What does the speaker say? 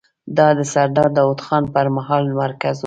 دا د سردار داوود خان پر مهال مرکز و.